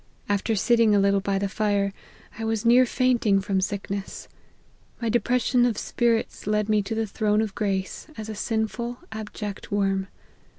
After sitting a little by the fire, I was near fainting from sickness. My de pression of spirits led me^to the throne of grace, as a sinful, abject worm.